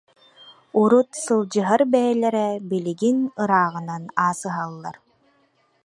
Урут сылдьыһар бэйэлэрэ билигин ырааҕынан аасыһаллар